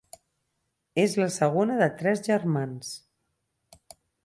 És la segona de tres germans.